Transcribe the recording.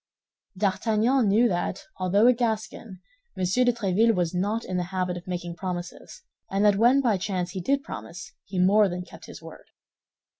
D'Artagnan knew that, although a Gascon, M. de Tréville was not in the habit of making promises, and that when by chance he did promise, he more than kept his word.